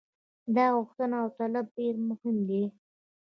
دا غوښتنه او طلب ډېر مهم دی.